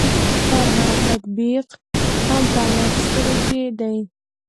طرح او تطبیق هم په عناصرو کې دي.